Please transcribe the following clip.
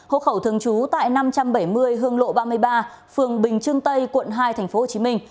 hộ khẩu thường trú tại năm trăm bảy mươi hương lộ ba mươi ba phường bình trưng tây quận hai tp hcm